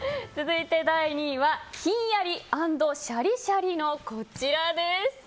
第２位はひんやり＆シャリシャリのこちらです。